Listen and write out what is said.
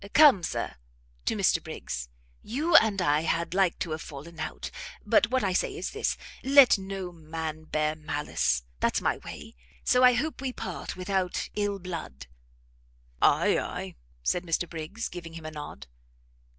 Come, Sir," to Mr Briggs, "you and I had like to have fallen out, but what I say is this; let no man bear malice; that's my way: so I hope we part without ill blood?" "Ay, ay;" said Mr Briggs, giving him a nod.